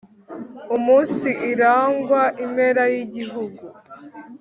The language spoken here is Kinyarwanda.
Umunsi irangwa impera y'igihugu